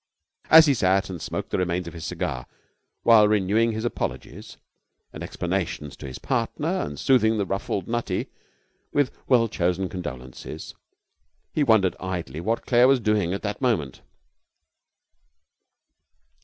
As he sat and smoked the remains of his cigar, while renewing his apologies and explanations to his partner and soothing the ruffled Nutty with well chosen condolences, he wondered idly what Claire was doing at that moment.